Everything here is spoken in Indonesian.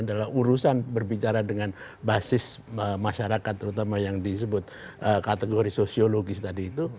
dalam urusan berbicara dengan basis masyarakat terutama yang disebut kategori sosiologis tadi itu